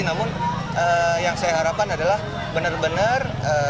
namun yang saya harapkan adalah benar benar